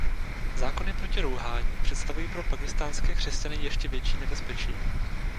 Zákony proti rouhání představují pro pákistánské křesťany ještě větší nebezpečí.